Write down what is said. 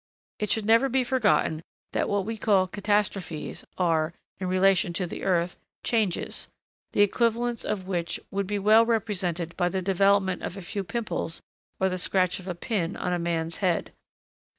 It should never be forgotten that what we call 'catastrophes,' are, in relation to the earth, changes, the equivalents of which would be well represented by the development of a few pimples, or the scratch of a pin, on a man's head.